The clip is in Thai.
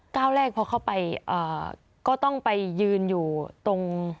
ก้าวแรกพอเข้าไปก็ต้องไปยืนอยู่ตรง